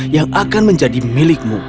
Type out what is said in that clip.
yang akan menjadi milikmu